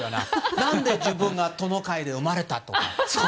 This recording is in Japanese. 何で自分がトナカイに生まれたのかと。